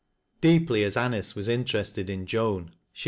DEEPir a& AlIjg was interested in Joa i, she